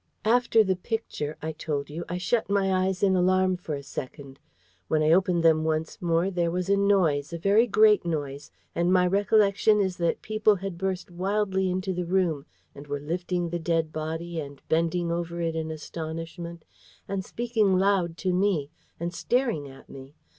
After the Picture, I told you, I shut my eyes in alarm for a second. When I opened them once more there was a noise, a very great noise, and my recollection is that people had burst wildly into the room, and were lifting the dead body, and bending over it in astonishment, and speaking loud to me, and staring at me.